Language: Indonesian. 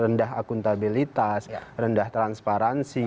rendah akuntabilitas rendah transparansi